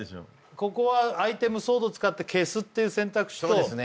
ここはアイテムソードを使って消すっていう選択肢とそうですね